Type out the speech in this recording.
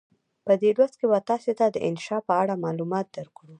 په دې لوست کې به تاسې ته د انشأ په اړه معلومات درکړو.